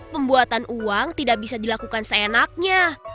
pembuatan uang tidak bisa dilakukan seenaknya